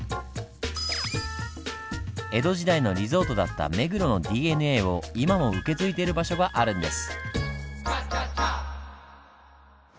江戸時代のリゾートだった目黒のＤＮＡを今も受け継いでる場所があるんです。